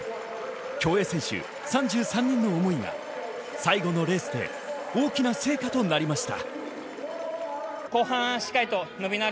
競泳選手３３人の思いが最後のレースで大きな成果となりました。